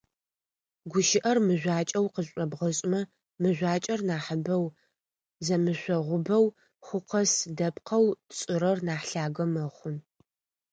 Гущыӏэр мыжъуакӏэу къызшӏобгъэшӏмэ, мыжъуакӏэр нахьыбэу, зэмышъогъубэу хъу къэс дэпкъэу тшӏырэр нахь лъагэ мэхъу.